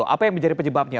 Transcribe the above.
apa yang menjadi penyebabnya